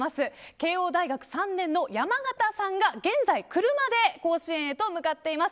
慶応大学３年の山形さんが現在、車で甲子園へと向かっています。